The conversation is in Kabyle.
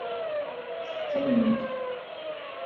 S ttawil.